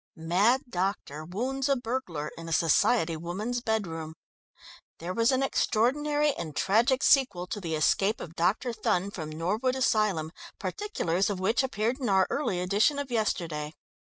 MAD DOCTOR WOUNDS A BURGLAR IN A SOCIETY WOMAN'S BEDROOM. "There was an extraordinary and tragic sequel to the escape of Dr. Thun from Norwood Asylum, particulars of which appeared in our early edition of yesterday.